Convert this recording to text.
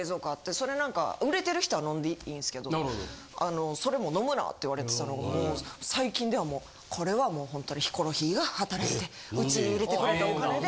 それ何か売れてる人は飲んでいいんですけどそれも「飲むな」って言われてたのがもう最近では「これはもうほんとにヒコロヒーが働いてうちに入れてくれたお金で」。